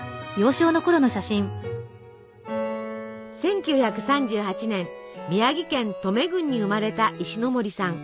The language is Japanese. １９３８年宮城県登米郡に生まれた石森さん。